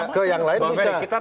ke yang lain bisa